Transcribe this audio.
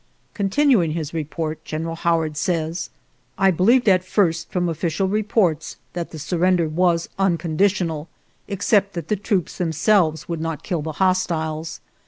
.•." Continuing his report, General Howard says: "... I believed at first from official reports that the surrender was uncondi tional, except that the troops themselves would not kill the hostiles.